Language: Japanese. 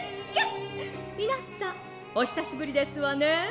みなさんおひさしぶりですわね」。